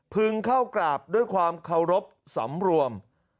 เข้ากราบด้วยความเคารพสำรวม